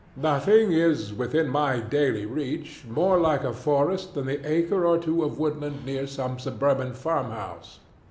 Nothing is within my daily reach more like a forest than the acre or two of woodland near some suburban farmhouse.